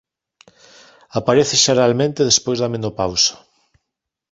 Aparece xeralmente despois da menopausa.